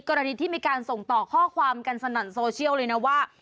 กรณีที่มีการส่งต่อข้อความกันสนั่นโซเชียลเลยนะว่า